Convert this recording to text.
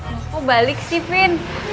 mau balik sih fin